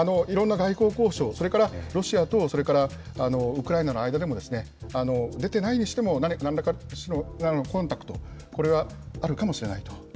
いろんな外交交渉、それからロシアとそれからウクライナの間でも出てないにしても、なんらかの形のコンタクト、これはあるかもしれないと。